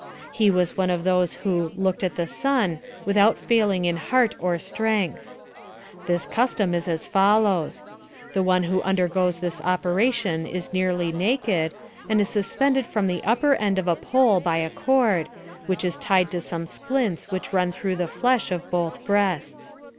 He was one of those who "looked at the sun" without failing in heart or strength. This custom is as follows: The one who undergoes this operation is nearly naked, and is suspended from the upper end of a pole by a cord, which is tied to some splints which run through the flesh of both breasts.